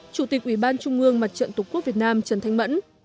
chủ tịch ủy ban trung ương mặt trận tổ quốc việt nam trần thanh mẫn